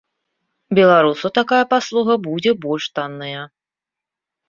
Беларусу такая паслуга будзе больш танная.